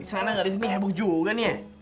di sana ga di sini heboh juga nih ya